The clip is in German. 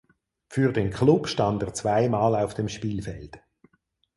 Für den Klub stand er zweimal auf dem Spielfeld.